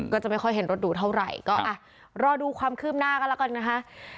ก็จะไม่ค่อยเห็นรถหรูเท่าไหร่ก็อ่ะรอดูความคืบหน้ากันแล้วกันนะคะ